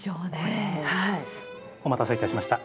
お待たせいたしました。